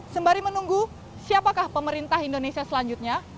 sembari menunggu siapakah pemerintah indonesia selanjutnya